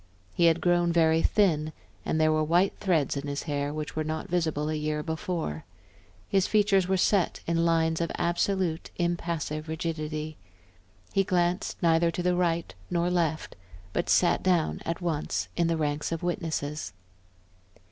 He had grown very thin, and there were white threads in his hair which were not visible a year before; his features were set in lines of absolute, impassive rigidity. He glanced neither to the right nor left, but sat down at once in the ranks of witnesses.